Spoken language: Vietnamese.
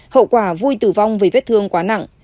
hậu quả vui tử vong vì vết thương quá nặng